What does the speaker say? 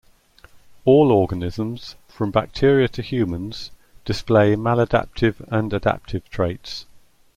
All organisms, from bacteria to humans, display maladaptive and adaptive traits.